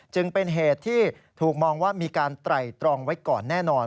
จึงเป็นเหตุที่ถูกมองว่ามีการไตรตรองไว้ก่อนแน่นอน